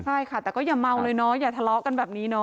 ใช่ค่ะแต่ก็อย่าเมาเลยเนาะอย่าทะเลาะกันแบบนี้เนาะ